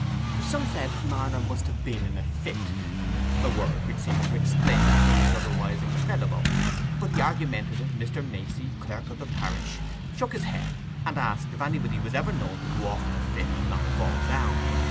Some said Marner must have been in a "fit", a word which seemed to explain things otherwise incredible; but the argumentative Mr. Macey, clerk of the parish, shook his head, and asked if anybody was ever known to go off in a fit and not fall down.